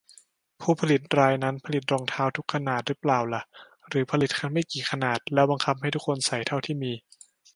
ผู้ผลิตรายนั้นผลิตรองเท้าทุกขนาดรึเปล่าล่ะ หรือผลิตไม่กี่ขนาด แล้วบังคับให้ทุกคนใส่เท่าที่มี